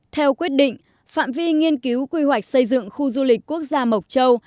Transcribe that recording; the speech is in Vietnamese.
theo quyết định phạm vi nghiên cứu quy hoạch xây dựng khu du lịch quốc gia mộc châu